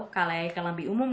kalau yang lebih umum